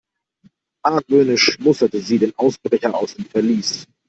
Argwöhnisch musterte sie den Ausbrecher aus dem Verlies.